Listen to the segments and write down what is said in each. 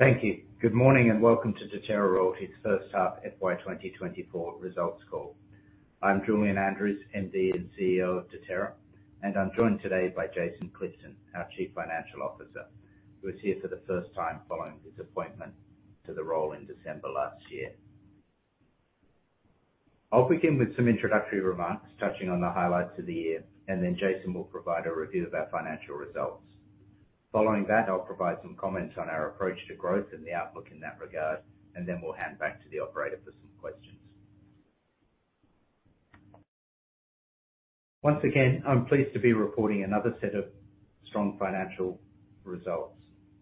Thank you. Good morning, and welcome to Deterra Royalties' first half FY 2024 results call. I'm Julian Andrews, MD and CEO of Deterra, and I'm joined today by Jason Clifton, our Chief Financial Officer, who is here for the first time following his appointment to the role in December last year. I'll begin with some introductory remarks, touching on the highlights of the year, and then Jason will provide a review of our financial results. Following that, I'll provide some comments on our approach to growth and the outlook in that regard, and then we'll hand back to the operator for some questions. Once again, I'm pleased to be reporting another set of strong financial results,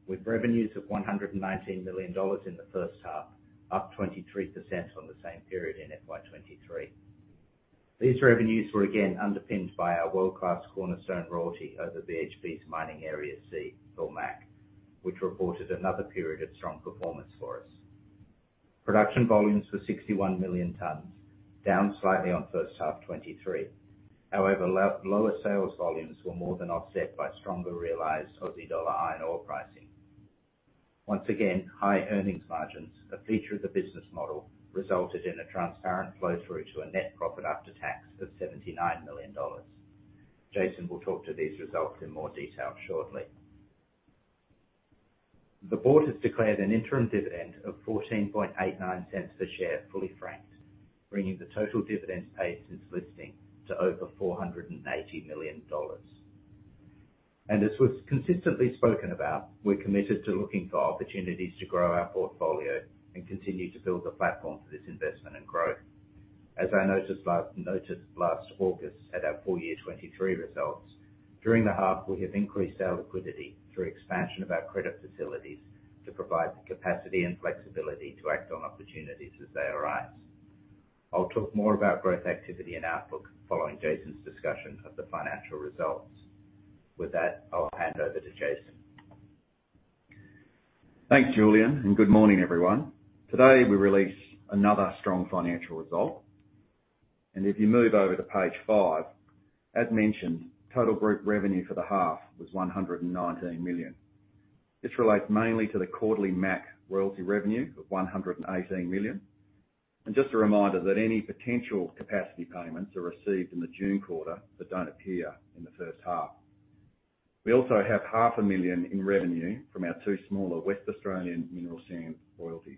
with revenues of 119 million dollars in the first half, up 23% on the same period in FY 2023. These revenues were again underpinned by our world-class cornerstone royalty over BHP's Mining Area C, or MAC, which reported another period of strong performance for us. Production volumes were 61 million tons, down slightly on first half 2023. However, lower sales volumes were more than offset by stronger realized Aussie dollar iron ore pricing. Once again, high earnings margins, a feature of the business model, resulted in a transparent flow through to a net profit after tax of 79 million dollars. Jason will talk to these results in more detail shortly. The board has declared an interim dividend of 0.1489 per share, fully franked, bringing the total dividends paid since listing to over AUD 480 million. And as was consistently spoken about, we're committed to looking for opportunities to grow our portfolio and continue to build a platform for this investment and growth. As I noticed last August at our full year 2023 results, during the half, we have increased our liquidity through expansion of our credit facilities to provide the capacity and flexibility to act on opportunities as they arise. I'll talk more about growth activity and outlook following Jason's discussion of the financial results. With that, I'll hand over to Jason. Thanks, Julian, and good morning, everyone. Today, we release another strong financial result. And if you move over to page five, as mentioned, total group revenue for the half was 119 million. This relates mainly to the quarterly MAC royalty revenue of 118 million. And just a reminder that any potential capacity payments are received in the June quarter, but don't appear in the first half. We also have 0.5 million in revenue from our two smaller Western Australian mineral sand royalties.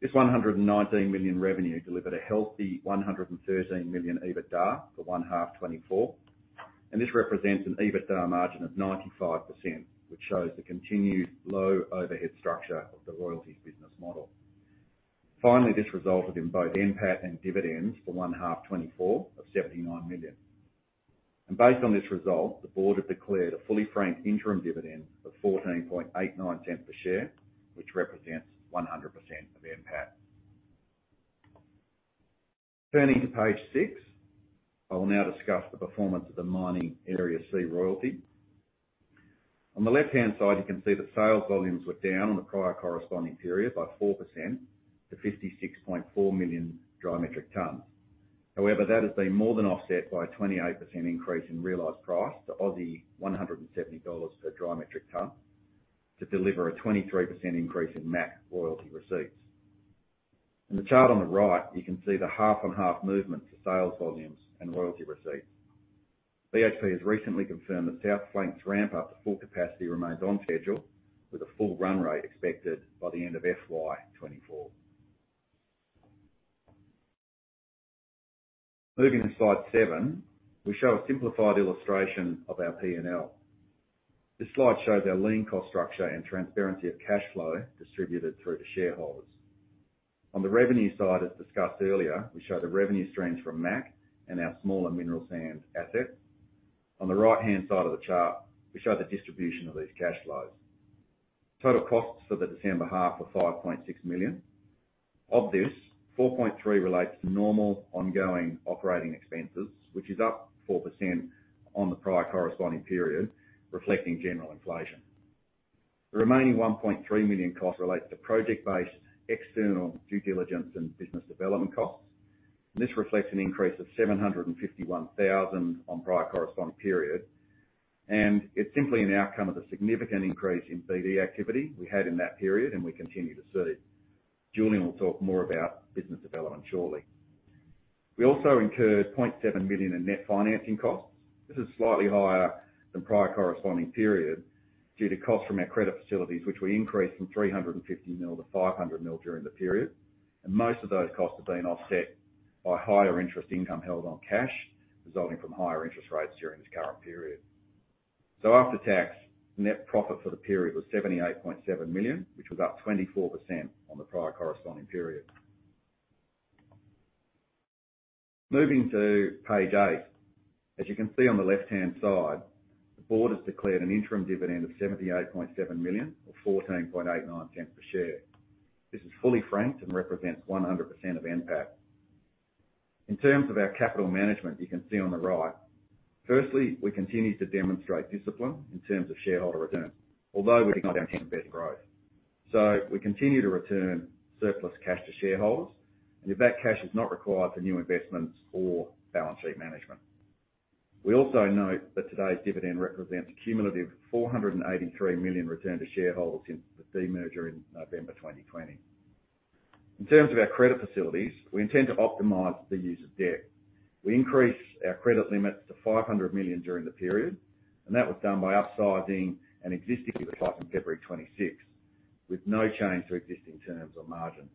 This 119 million revenue delivered a healthy 113 million EBITDA for 1H 2024, and this represents an EBITDA margin of 95%, which shows the continued low overhead structure of the royalties business model. Finally, this resulted in both NPAT and dividends for 1H 2024 of 79 million. Based on this result, the board have declared a fully franked interim dividend of 0.1489 per share, which represents 100% of NPAT. Turning to page 6, I will now discuss the performance of the Mining Area C royalty. On the left-hand side, you can see that sales volumes were down on the prior corresponding period by 4% to 56.4 million dry metric tons. However, that has been more than offset by a 28% increase in realized price, to 170 Aussie dollars per dry metric ton, to deliver a 23% increase in MAC royalty receipts. In the chart on the right, you can see the half-on-half movement for sales volumes and royalty receipts. BHP has recently confirmed that South Flank's ramp up to full capacity remains on schedule, with a full run rate expected by the end of FY 2024. Moving to Slide 7, we show a simplified illustration of our P&L. This slide shows our lean cost structure and transparency of cash flow distributed through to shareholders. On the revenue side, as discussed earlier, we show the revenue streams from MAC and our smaller mineral sand assets. On the right-hand side of the chart, we show the distribution of these cash flows. Total costs for the December half were 5.6 million. Of this, 4.3 million relates to normal, ongoing operating expenses, which is up 4% on the prior corresponding period, reflecting general inflation. The remaining 1.3 million costs relate to project-based, external due diligence and business development costs. This reflects an increase of 751 thousand on prior corresponding period, and it's simply an outcome of the significant increase in BD activity we had in that period, and we continue to see. Julian will talk more about business development shortly. We also incurred 0.7 million in net financing costs. This is slightly higher than prior corresponding period due to costs from our credit facilities, which we increased from 350 million-500 million during the period. Most of those costs have been offset by higher interest income held on cash, resulting from higher interest rates during this current period. After tax, net profit for the period was 78.7 million, which was up 24% on the prior corresponding period. Moving to page eight. As you can see on the left-hand side, the board has declared an interim dividend of 78.7 million, or 0.1489 per share. This is fully franked and represents 100% of NPAT. In terms of our capital management, you can see on the right, firstly, we continue to demonstrate discipline in terms of shareholder return, although we've got our investment growth. So we continue to return surplus cash to shareholders, and if that cash is not required for new investments or balance sheet management. We also note that today's dividend represents a cumulative 483 million return to shareholders since the demerger in November 2020. In terms of our credit facilities, we intend to optimize the use of debt. We increased our credit limits to 500 million during the period, and that was done by upsizing an existing facility in February 2026, with no change to existing terms or margin.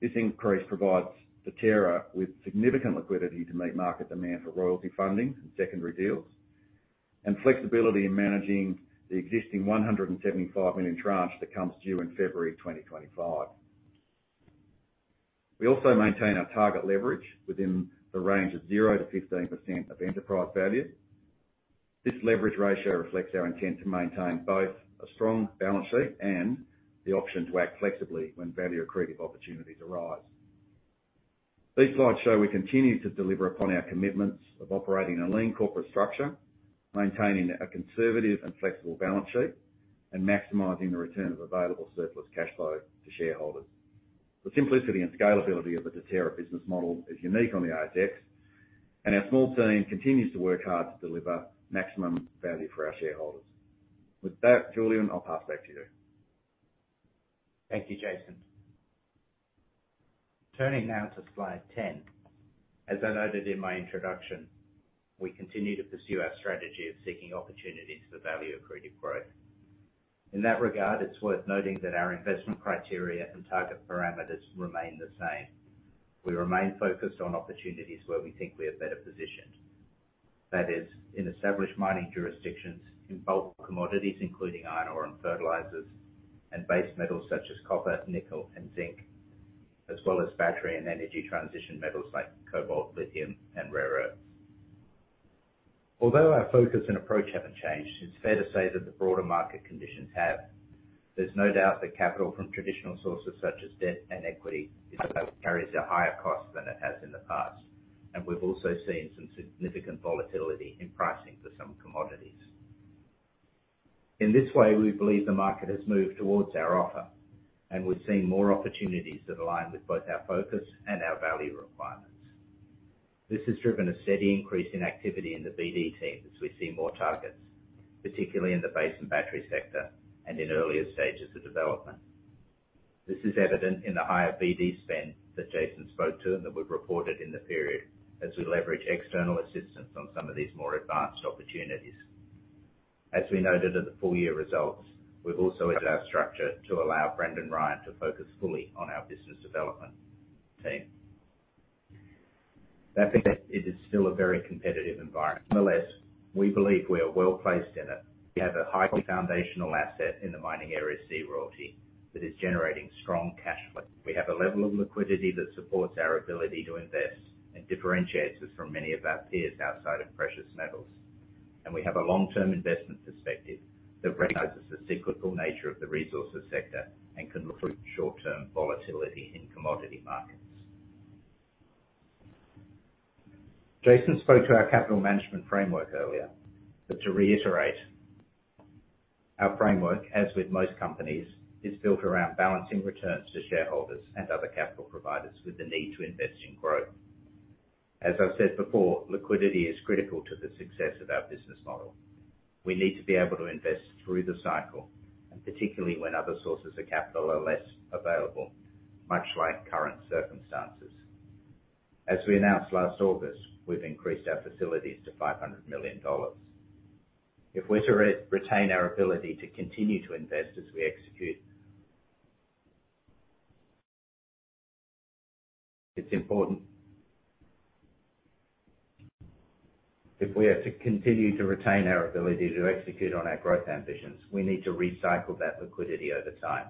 This increase provides Deterra with significant liquidity to meet market demand for royalty funding and secondary deals, and flexibility in managing the existing 175 million tranche that comes due in February 2025. We also maintain our target leverage within the range of 0%-15% of enterprise value. This leverage ratio reflects our intent to maintain both a strong balance sheet and the option to act flexibly when value accretive opportunities arise. These slides show we continue to deliver upon our commitments of operating a lean corporate structure, maintaining a conservative and flexible balance sheet, and maximizing the return of available surplus cash flow to shareholders. The simplicity and scalability of the Deterra business model is unique on the ASX, and our small team continues to work hard to deliver maximum value for our shareholders. With that, Julian, I'll pass back to you. Thank you, Jason. Turning now to Slide 10. As I noted in my introduction, we continue to pursue our strategy of seeking opportunities for value-accretive growth. In that regard, it's worth noting that our investment criteria and target parameters remain the same. We remain focused on opportunities where we think we are better positioned. That is, in established mining jurisdictions, in bulk commodities, including iron ore and fertilizers, and base metals such as copper, nickel, and zinc, as well as battery and energy transition metals like cobalt, lithium, and rare earths. Although our focus and approach haven't changed, it's fair to say that the broader market conditions have. There's no doubt that capital from traditional sources, such as debt and equity, carries a higher cost than it has in the past, and we've also seen some significant volatility in pricing for some commodities. In this way, we believe the market has moved towards our offer, and we've seen more opportunities that align with both our focus and our value requirements. This has driven a steady increase in activity in the BD team as we see more targets, particularly in the base and battery sector and in earlier stages of development. This is evident in the higher BD spend that Jason spoke to and that we've reported in the period, as we leverage external assistance on some of these more advanced opportunities. As we noted in the full year results, we've also added our structure to allow Brendan Ryan to focus fully on our business development team. That being said, it is still a very competitive environment. Nonetheless, we believe we are well placed in it. We have a highly foundational asset in the Mining Area C royalty that is generating strong cash flow. We have a level of liquidity that supports our ability to invest and differentiates us from many of our peers outside of precious metals. We have a long-term investment perspective that recognizes the cyclical nature of the resources sector and can look through short-term volatility in commodity markets. Jason spoke to our capital management framework earlier, but to reiterate, our framework, as with most companies, is built around balancing returns to shareholders and other capital providers, with the need to invest in growth. As I've said before, liquidity is critical to the success of our business model. We need to be able to invest through the cycle, and particularly when other sources of capital are less available, much like current circumstances. As we announced last August, we've increased our facilities to 500 million dollars. If we're to retain our ability to continue to invest as we execute. It's important. If we are to continue to retain our ability to execute on our growth ambitions, we need to recycle that liquidity over time.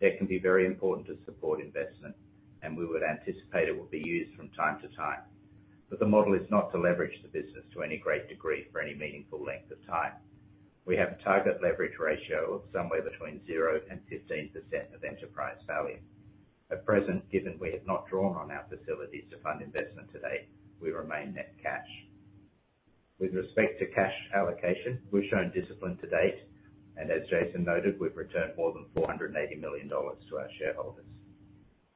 That can be very important to support investment, and we would anticipate it will be used from time to time. But the model is not to leverage the business to any great degree for any meaningful length of time. We have a target leverage ratio of somewhere between 0% and 15% of enterprise value. At present, given we have not drawn on our facilities to fund investment to date, we remain net cash. With respect to cash allocation, we've shown discipline to date, and as Jason noted, we've returned more than 480 million dollars to our shareholders.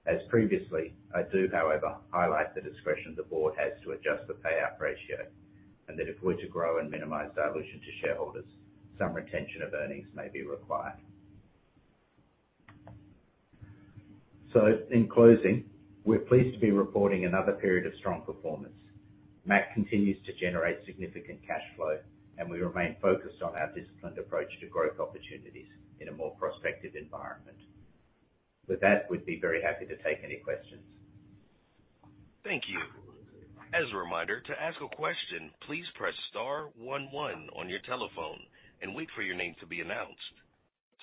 As previously, I do, however, highlight the discretion the board has to adjust the payout ratio, and that if we're to grow and minimize dilution to shareholders, some retention of earnings may be required. So in closing, we're pleased to be reporting another period of strong performance. MAC continues to generate significant cash flow, and we remain focused on our disciplined approach to growth opportunities in a more prospective environment. With that, we'd be very happy to take any questions. Thank you. As a reminder, to ask a question, please press star one one on your telephone and wait for your name to be announced.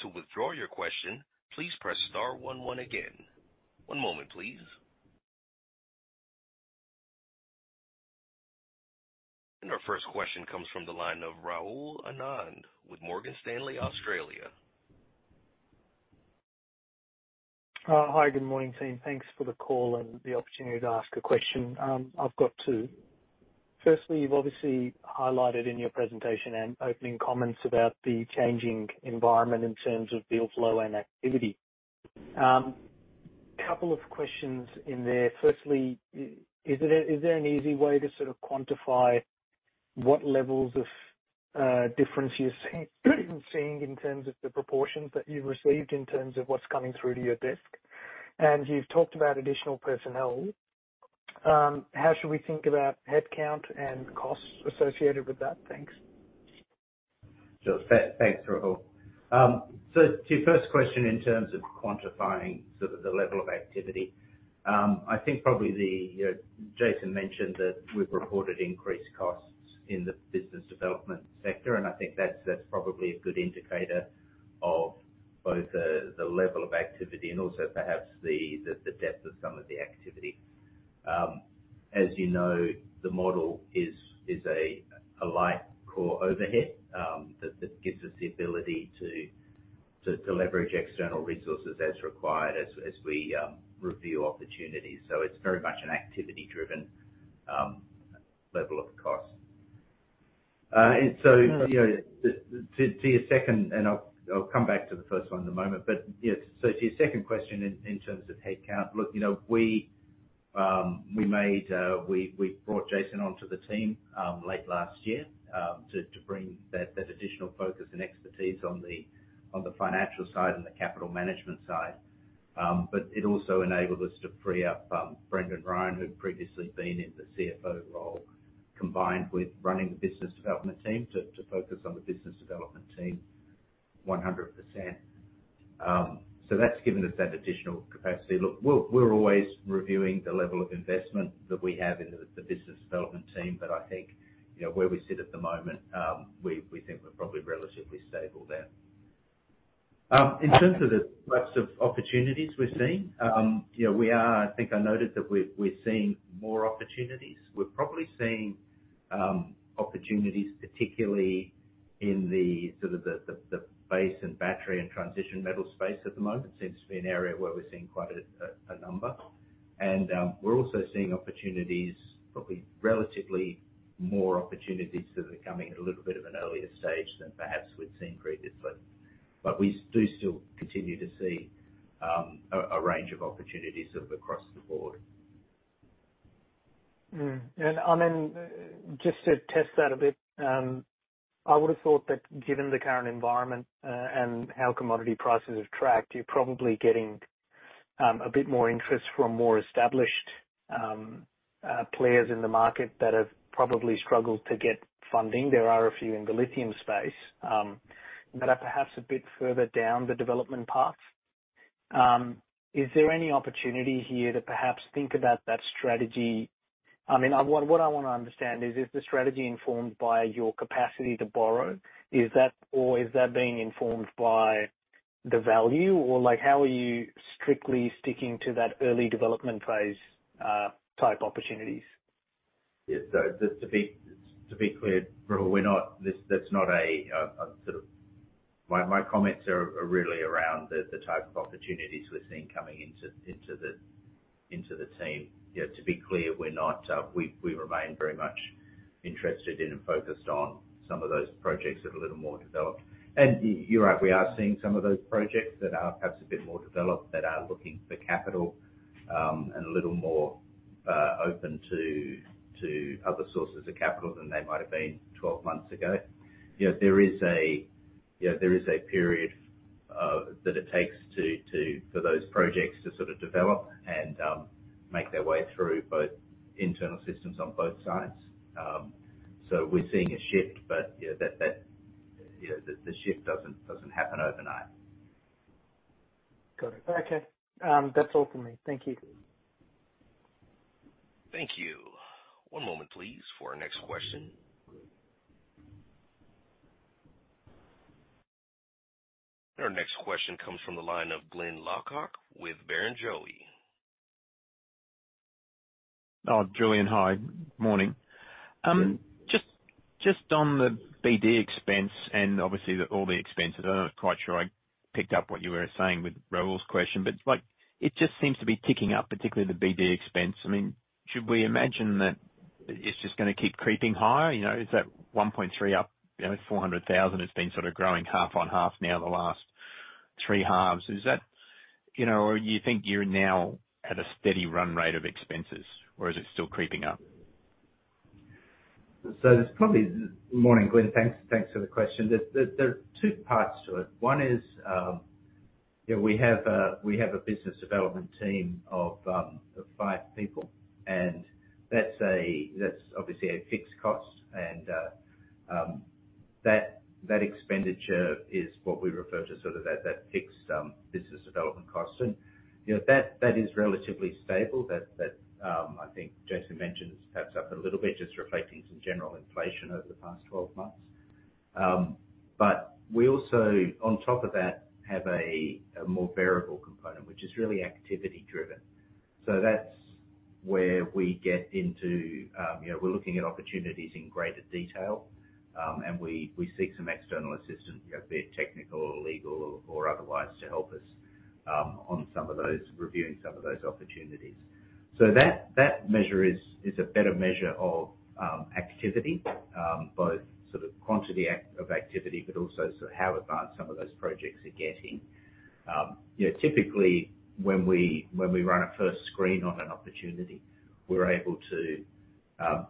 To withdraw your question, please press star one one again. One moment, please. Our first question comes from the line of Rahul Anand with Morgan Stanley, Australia. Hi, good morning, team. Thanks for the call and the opportunity to ask a question. I've got two. Firstly, you've obviously highlighted in your presentation and opening comments about the changing environment in terms of deal flow and activity. Couple of questions in there. Firstly, is, is it, is there an easy way to sort of quantify what levels of difference you're seeing, seeing in terms of the proportions that you've received, in terms of what's coming through to your desk? And you've talked about additional personnel. How should we think about headcount and costs associated with that? Thanks. Sure. Thanks, Rahul. So to your first question, in terms of quantifying sort of the level of activity, I think probably the, you know, Jason mentioned that we've reported increased costs in the business development sector, and I think that's probably a good indicator of both the level of activity and also perhaps the depth of some of the activity. As you know, the model is a light core overhead that gives us the ability to leverage external resources as required as we review opportunities. So it's very much an activity driven level of cost. And so, you know, to your second, and I'll come back to the first one in a moment, but yeah, so to your second question in terms of headcount. Look, you know, we brought Jason onto the team late last year to bring that additional focus and expertise on the financial side and the capital management side. But it also enabled us to free up Brendan Ryan, who'd previously been in the CFO role, combined with running the business development team, to focus on the business development team 100%. So that's given us that additional capacity. Look, we're always reviewing the level of investment that we have in the business development team, but I think, you know, where we sit at the moment, we think we're probably relatively stable there. In terms of the types of opportunities we're seeing, you know, I think I noted that we're seeing more opportunities. We're probably seeing opportunities, particularly in the sort of base and battery and transition metal space at the moment seems to be an area where we're seeing quite a number. And we're also seeing opportunities, probably relatively more opportunities that are coming at a little bit of an earlier stage than perhaps we've seen previously. But we do still continue to see a range of opportunities sort of across the board. And, I mean, just to test that a bit, I would have thought that given the current environment, and how commodity prices have tracked, you're probably getting a bit more interest from more established players in the market that have probably struggled to get funding. There are a few in the lithium space that are perhaps a bit further down the development path. Is there any opportunity here to perhaps think about that strategy? I mean, what I want to understand is, is the strategy informed by your capacity to borrow? Is that, or is that being informed by the value? Or like, how are you strictly sticking to that early development phase type opportunities? Yeah. So just to be clear, Rahul, we're not, this, that's not a sort of. My comments are really around the type of opportunities we're seeing coming into the team. You know, to be clear, we're not, we remain very much interested in and focused on some of those projects that are a little more developed. And you're right, we are seeing some of those projects that are perhaps a bit more developed, that are looking for capital, and a little more open to other sources of capital than they might have been twelve months ago. You know, there is a period that it takes to for those projects to sort of develop and make their way through both internal systems on both sides. So we're seeing a shift, but yeah, you know, the shift doesn't happen overnight. Got it. Okay. That's all for me. Thank you. Thank you. One moment, please, for our next question. Our next question comes from the line of Glyn Lawcock with Barrenjoey. Oh, Julian, hi. Morning. Good morning. Just on the BD expense and obviously all the expenses, I'm not quite sure I picked up what you were saying with Rahul's question, but, like, it just seems to be ticking up, particularly the BD expense. I mean, should we imagine that it's just gonna keep creeping higher? You know, is that 1.3 up, you know, 400,000, it's been sort of growing half-on-half now, the last three halves. Is that, you know, or you think you're now at a steady run rate of expenses, or is it still creeping up? Morning, Glyn. Thanks, thanks for the question. There are two parts to it. One is, you know, we have a business development team of five people, and that's obviously a fixed cost. And that expenditure is what we refer to sort of as that fixed business development cost. And, you know, that is relatively stable. That, I think Jason mentioned it's perhaps up a little bit, just reflecting some general inflation over the past twelve months. But we also, on top of that, have a more variable component, which is really activity driven. So that's where we get into, you know, we're looking at opportunities in greater detail, and we seek some external assistance, be it technical or legal or otherwise, to help us on some of those, reviewing some of those opportunities. So that measure is a better measure of activity, both sort of quantity of activity, but also sort of how advanced some of those projects are getting. You know, typically, when we run a first screen on an opportunity, we're able to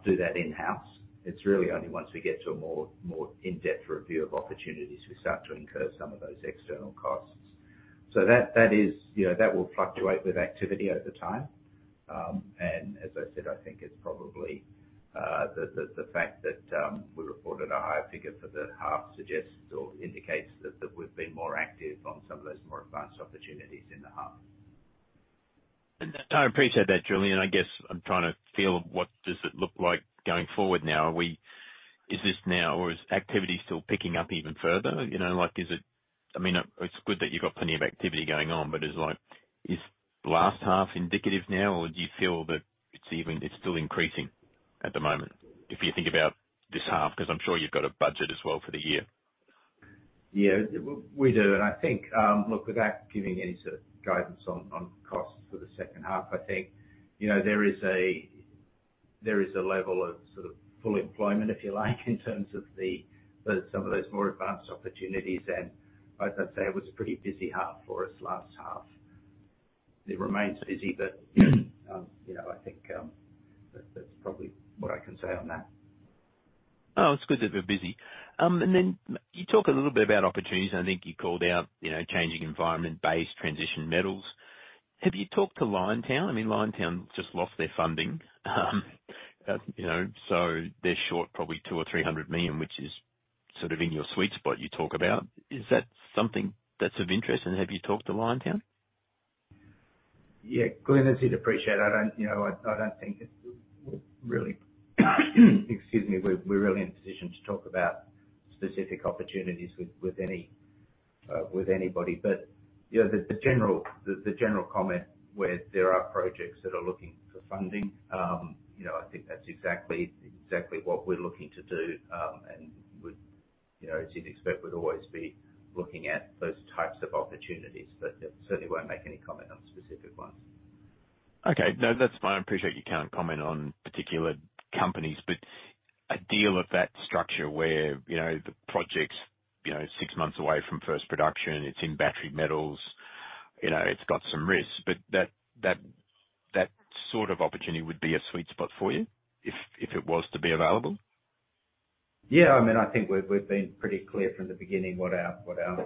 do that in-house. It's really only once we get to a more in-depth review of opportunities, we start to incur some of those external costs. So that is, you know, that will fluctuate with activity at the time. As I said, I think it's probably the fact that we reported a higher figure for the half suggests or indicates that we've been more active on some of those more advanced opportunities in the half. I appreciate that, Julian. I guess I'm trying to feel what does it look like going forward now? Is this now or is activity still picking up even further? You know, like, is it. I mean, it's good that you've got plenty of activity going on, but is, like, is last half indicative now, or do you feel that it's still increasing at the moment, if you think about this half? Because I'm sure you've got a budget as well for the year. Yeah, we do. And I think, look, without giving any sort of guidance on costs for the second half, I think, you know, there is a level of sort of full employment, if you like, in terms of some of those more advanced opportunities. And as I say, it was a pretty busy half for us, last half. It remains busy, but, you know, I think that's probably what I can say on that. Oh, it's good that we're busy. And then you talk a little bit about opportunities, and I think you called out, you know, changing environment, base transition metals. Have you talked to Liontown? I mean, Liontown just lost their funding, you know, so they're short probably 200 million-300 million, which is sort of in your sweet spot you talk about. Is that something that's of interest, and have you talked to Liontown? Yeah, Glyn, as you'd appreciate, I don't, you know, I don't think it really. Excuse me, we're really in a position to talk about specific opportunities with anybody. But, you know, the general comment where there are projects that are looking for funding, you know, I think that's exactly what we're looking to do, and, you know, as you'd expect, would always be looking at those types of opportunities, but, yeah, certainly won't make any comment on specific ones. Okay. No, that's fine. I appreciate you can't comment on particular companies, but a deal of that structure where, you know, the project's, you know, six months away from first production, it's in battery metals, you know, it's got some risks, but that sort of opportunity would be a sweet spot for you, if it was to be available? Yeah, I mean, I think we've been pretty clear from the beginning what our sort of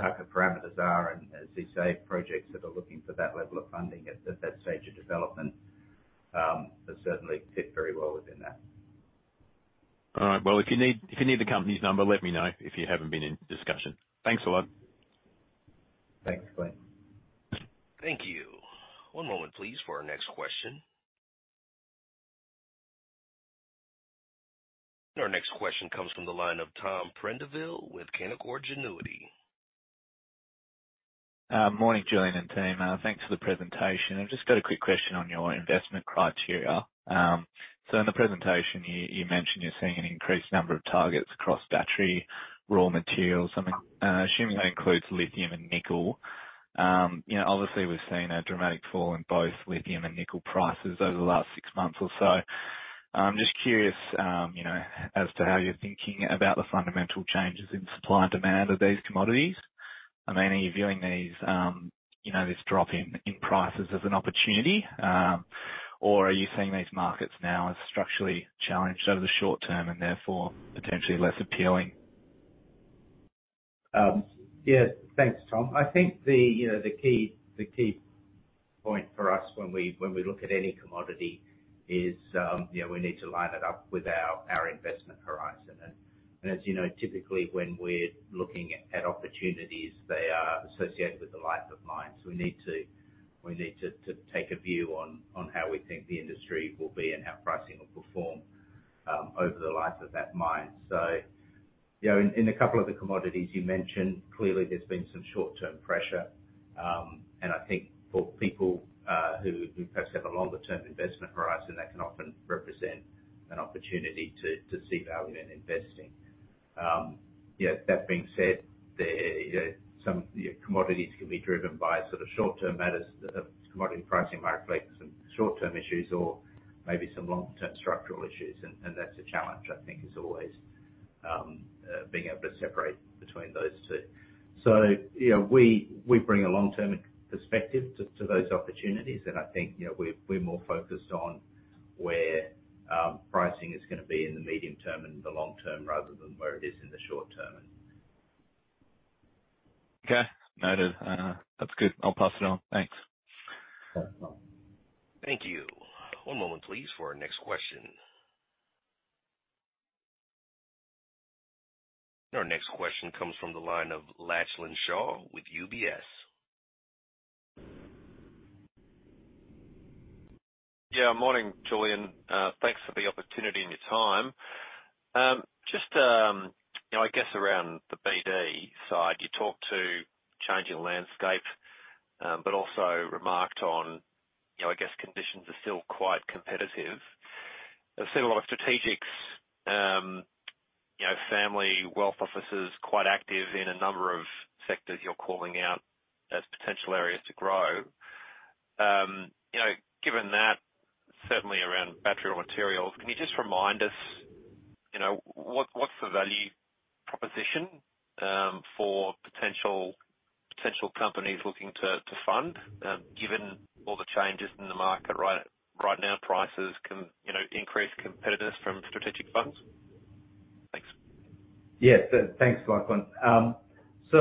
type of parameters are. And as you say, projects that are looking for that level of funding at that stage of development would certainly fit very well within that. All right, well, if you need, if you need the company's number, let me know if you haven't been in discussion. Thanks a lot. Thanks, Glyn. Thank you. One moment, please, for our next question. Our next question comes from the line of Tom Prendiville with Canaccord Genuity. Morning, Julian and team. Thanks for the presentation. I've just got a quick question on your investment criteria. So in the presentation, you mentioned you're seeing an increased number of targets across battery raw materials. I'm assuming that includes lithium and nickel. You know, obviously, we've seen a dramatic fall in both lithium and nickel prices over the last six months or so. I'm just curious as to how you're thinking about the fundamental changes in supply and demand of these commodities. I mean, are you viewing this drop in prices as an opportunity? Or are you seeing these markets now as structurally challenged over the short term and therefore potentially less appealing? Yeah. Thanks, Tom. I think you know the key point for us when we look at any commodity is, you know, we need to line it up with our investment horizon. And as you know, typically when we're looking at opportunities, they are associated with the life of mine. So we need to take a view on how we think the industry will be and how pricing will perform over the life of that mine. So you know, in a couple of the commodities you mentioned, clearly there's been some short-term pressure. And I think for people who perhaps have a longer term investment horizon, that can often represent an opportunity to see value in investing. Yet, that being said, you know, some commodities can be driven by sort of short-term matters, that the commodity pricing might reflect some short-term issues or maybe some long-term structural issues, and that's a challenge, I think, is always being able to separate between those two. So, you know, we bring a long-term perspective to those opportunities, and I think, you know, we're more focused on where pricing is gonna be in the medium term and the long term, rather than where it is in the short term. Okay. Noted, that's good. I'll pass it on. Thanks. Yeah. Thank you. One moment, please, for our next question. Our next question comes from the line of Lachlan Shaw with UBS. Yeah, morning, Julian. Thanks for the opportunity and your time. You know, I guess around the BD side, you talked to changing the landscape, but also remarked on, you know, I guess conditions are still quite competitive. I've seen a lot of strategics, you know, family wealth offices, quite active in a number of sectors you're calling out as potential areas to grow. You know, given that, certainly around battery materials, can you just remind us, you know, what's the value proposition for potential companies looking to fund, given all the changes in the market right now, prices can, you know, increase competitiveness from strategic funds? Thanks. Yeah, thanks, Lachlan. So,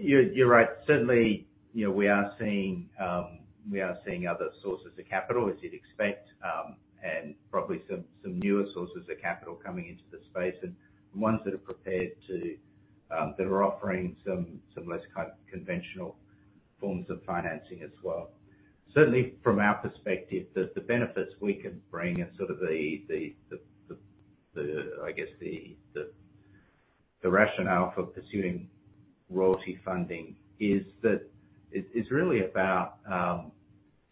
you're right. Certainly, you know, we are seeing other sources of capital, as you'd expect, and probably some newer sources of capital coming into the space, and ones that are prepared to offer some less kind of conventional forms of financing as well. Certainly, from our perspective, the benefits we can bring and sort of the rationale for pursuing royalty funding is that it's really about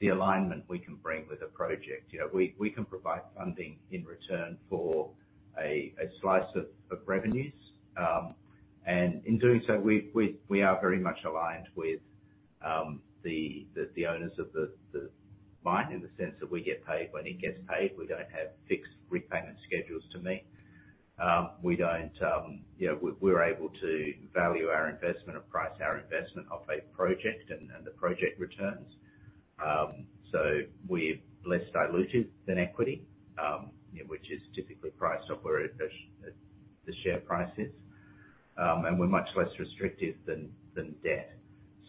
the alignment we can bring with a project. You know, we can provide funding in return for a slice of revenues. And in doing so, we are very much aligned with the owners of the mine, in the sense that we get paid when it gets paid. We don't have fixed repayment schedules to meet. We don't. You know, we're able to value our investment and price our investment off a project and the project returns. So we're less dilutive than equity, which is typically priced off where the share price is. And we're much less restrictive than debt.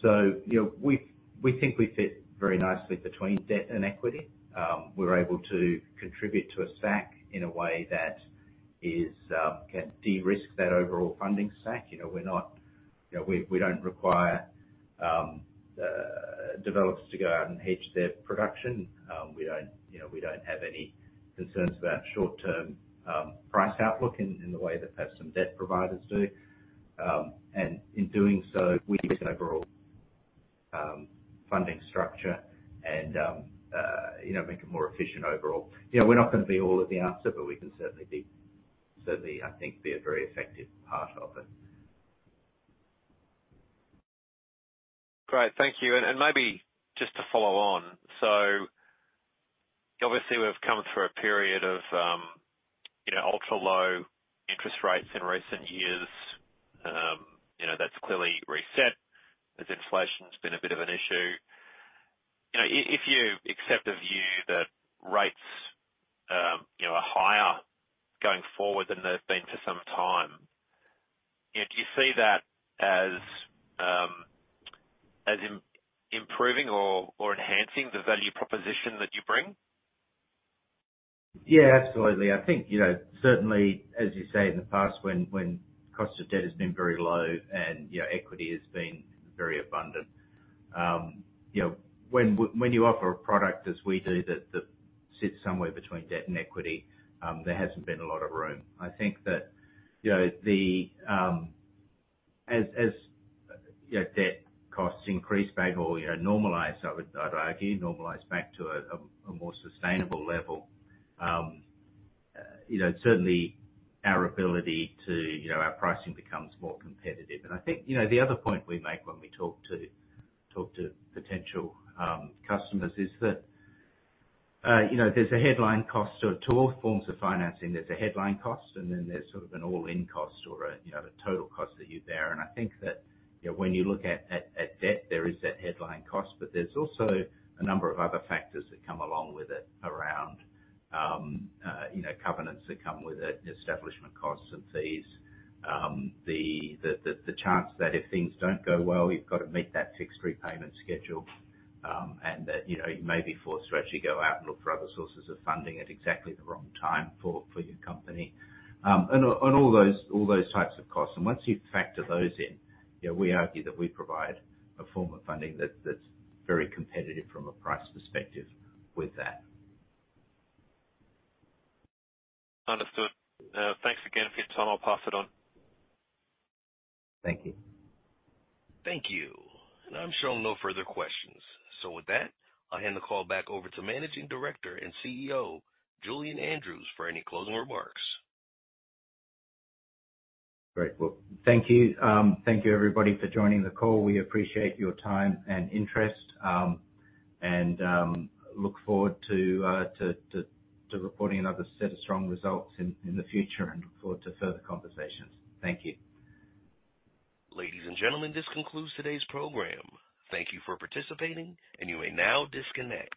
So, you know, we think we fit very nicely between debt and equity. We're able to contribute to a stack in a way that can de-risk that overall funding stack. You know, we're not. You know, we don't require developers to go out and hedge their production. We don't, you know, we don't have any concerns about short-term price outlook in the way that perhaps some debt providers do. And in doing so, we get overall funding structure and, you know, make it more efficient overall. You know, we're not going to be all of the answer, but we can certainly be, certainly, I think, be a very effective part of it. Great. Thank you. And maybe just to follow on: so obviously we've come through a period of, you know, ultra-low interest rates in recent years. You know, that's clearly reset, as inflation's been a bit of an issue. You know, if you accept a view that rates, you know, are higher going forward than they've been for some time, you know, do you see that as improving or enhancing the value proposition that you bring? Yeah, absolutely. I think, you know, certainly, as you say, in the past, when cost of debt has been very low and, you know, equity has been very abundant, you know, when you offer a product, as we do, that sits somewhere between debt and equity, there hasn't been a lot of room. I think that, you know, the. As you know, debt costs increase back or, you know, normalize, I'd argue, normalize back to a more sustainable level, you know, certainly our ability to, you know, our pricing becomes more competitive. And I think, you know, the other point we make when we talk to potential customers is that, you know, there's a headline cost to all forms of financing. There's a headline cost, and then there's sort of an all-in cost or a you know, a total cost that you bear. And I think that, you know, when you look at debt, there is that headline cost, but there's also a number of other factors that come along with it around you know, covenants that come with it, establishment costs and fees. The chance that if things don't go well, you've got to meet that fixed repayment schedule, and that, you know, you may be forced to actually go out and look for other sources of funding at exactly the wrong time for your company. And all those types of costs. Once you factor those in, you know, we argue that we provide a form of funding that's, that's very competitive from a price perspective with that. Understood. Thanks again for your time. I'll pass it on. Thank you. Thank you. I'm showing no further questions, so with that, I'll hand the call back over to Managing Director and CEO, Julian Andrews, for any closing remarks. Great. Well, thank you. Thank you, everybody, for joining the call. We appreciate your time and interest, and look forward to reporting another set of strong results in the future and look forward to further conversations. Thank you. Ladies and gentlemen, this concludes today's program. Thank you for participating, and you may now disconnect.